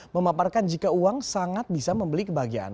memaparkan jika uang sangat bisa membeli kebahagiaan